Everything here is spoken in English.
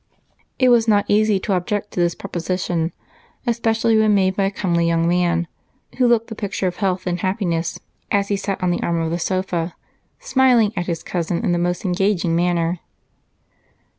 It was not easy to object to this proposition, especially when made by a comely young man who looked the picture of health and happiness as he sat on the arm of the sofa smiling at his cousin in the most engaging manner.